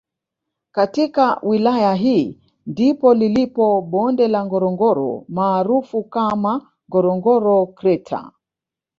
Katika wilaya hii ndipo lilipo bonde la Ngorongoro maarufu kama Ngorongoro kreta